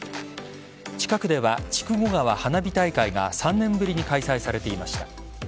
近くでは筑後川花火大会が３年ぶりに開催されていました。